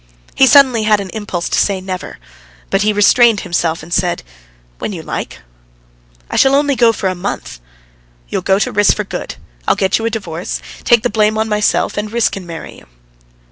He suddenly had an impulse to say "Never"; but he restrained himself and said: "When you like." "I shall only go for a month." "You'll go to Riss for good. I'll get you a divorce, take the blame on myself, and Riss can marry you."